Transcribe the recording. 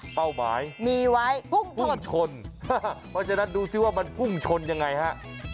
จ้ะมีไว้พุ่งชนพุ่งชนพอฉะนั้นดูซิว่ามันพุ่งชนยังไงฮะ